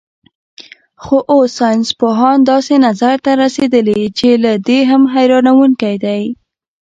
خو اوس ساینسپوهان داسې نظر ته رسېدلي چې له دې هم حیرانوونکی دی.